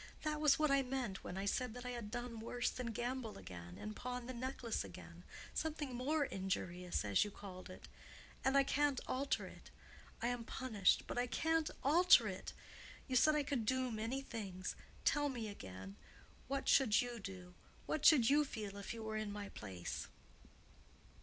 That was what I meant when I said that I had done worse than gamble again and pawn the necklace again—something more injurious, as you called it. And I can't alter it. I am punished, but I can't alter it. You said I could do many things. Tell me again. What should you do—what should you feel if you were in my place?"